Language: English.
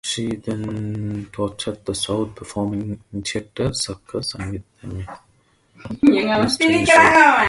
She then toured the South, performing in theaters, circuses, and with minstrel shows.